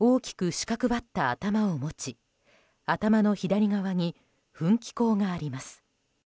四角張った頭を持ち頭の左側に噴気孔があります。